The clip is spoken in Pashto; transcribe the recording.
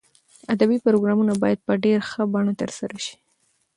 ادبي پروګرامونه باید په ډېر ښه بڼه ترسره شي.